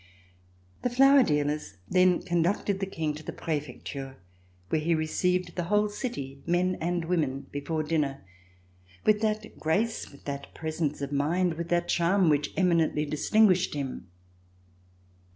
The flour dealers then conducted the King to the Prefecture where he received the whole city, men and women, before dinner, with that grace, with that presence of mind, with that charm which eminently distinguished him.